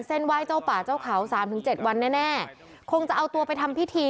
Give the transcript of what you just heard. เส้นไหว้เจ้าป่าเจ้าเขาสามถึงเจ็ดวันแน่แน่คงจะเอาตัวไปทำพิธี